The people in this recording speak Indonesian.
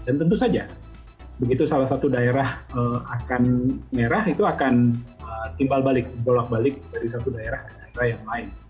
dan tentu saja begitu salah satu daerah akan merah itu akan timbal balik bolak balik dari satu daerah ke daerah yang lain